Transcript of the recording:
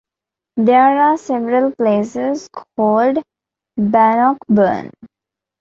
There are several places called Bannockburn.